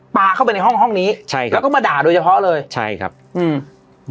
ปลาเข้าไปในห้องห้องนี้ใช่ครับแล้วก็มาด่าโดยเฉพาะเลยใช่ครับอืม